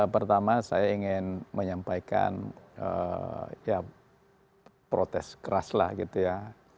pertama saya ingin menyampaikan ya protes keras lah gitu ya